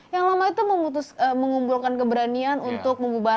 yang lama itu mengumpulkan keberanian untuk mengubarkan tangan